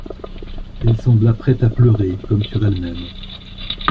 Elle sembla prête à pleurer, comme sur elle-même.